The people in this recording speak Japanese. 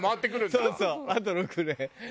そうそうあと６年。